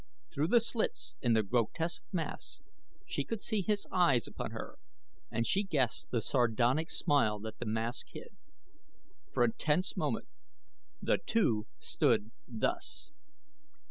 Through the slits in the grotesque mask she could see his eyes upon her and she guessed the sardonic smile that the mask hid. For a tense moment the two stood thus.